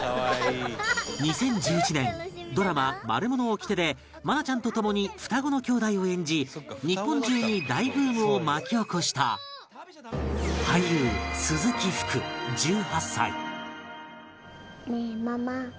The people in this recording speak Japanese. ２０１１年ドラマ『マルモのおきて』で愛菜ちゃんと共に双子の姉弟を演じ日本中に大ブームを巻き起こした俳優鈴木福１８歳ねえママ。